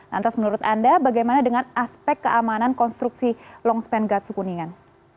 lantas menurut anda bagaimana dengan aspek keamanan konstruksi longspan gatsu kuningan